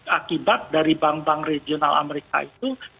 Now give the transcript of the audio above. akibat dari bank bank regional amerika itu